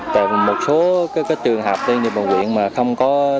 còn một số trường hợp như bầu huyện mà không có tổ chức